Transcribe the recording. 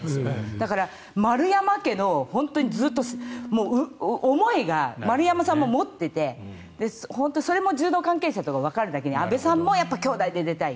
だから丸山家の思いが丸山さんも持っていて、それも柔道関係者としてわかるだけに阿部さんも兄妹で出たい。